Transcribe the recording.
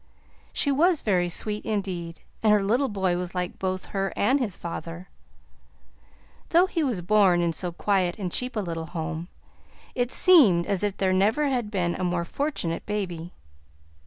She was very sweet, indeed, and her little boy was like both her and his father. Though he was born in so quiet and cheap a little home, it seemed as if there never had been a more fortunate baby.